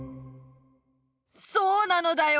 そうなのだよ